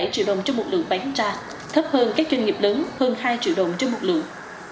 sáu mươi ba bảy triệu đồng cho một lượng bán ra thấp hơn các doanh nghiệp lớn hơn hai triệu đồng cho một lượng